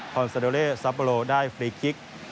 อนซาโดเลซัปโลได้ฟรีคิก